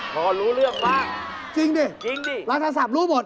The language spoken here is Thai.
เพราะอยู่ไหน